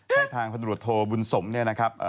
ให้ทางพันตรวจโทบุญสมเนี่ยนะครับ